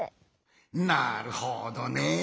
なるほどね。